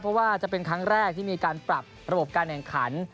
เพราะว่าจะเป็นครั้งแรกที่มีการปรับระบบการแข่งขัน